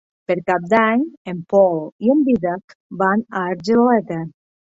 Per Cap d'Any en Pol i en Dídac van a Argeleta.